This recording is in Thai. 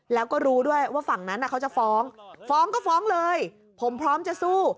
แล้วก็รู้ด้วยว่าฝั่งนั้นเขาจะฟ้องฟ้องก็ฟ้องเลยผมพร้อมจะสู้